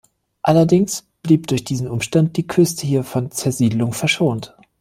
Allerdings blieb durch diesen Umstand die Küste hier von Zersiedelung verschont.